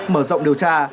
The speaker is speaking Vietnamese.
mở rộng điều tra